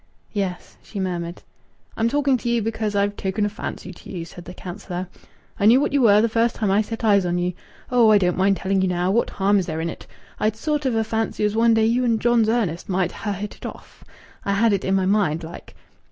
"Yes," she murmured. "I'm talking to ye because I've taken a fancy to ye," said the councillor. "I knew what you were the first time I set eyes on ye. Oh, I don't mind telling ye now what harm is there in it? I'd a sort of a fancy as one day you and John's Ernest might ha' hit it off. I had it in my mind like."